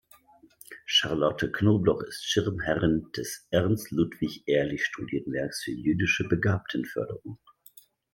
Charlotte Knobloch ist Schirmherrin des Ernst Ludwig Ehrlich Studienwerks für jüdische Begabtenförderung.